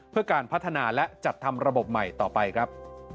เพื่อการพัฒนาและจัดทำระบบใหม่ต่อไปครับ